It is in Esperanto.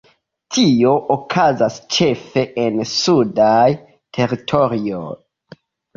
Tio okazas ĉefe en sudaj teritorioj.